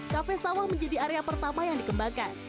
kafe sawah menjadi area pertama yang dikembangkan